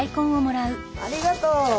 ありがとう！